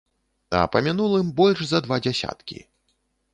А па мінулым больш за два дзясяткі.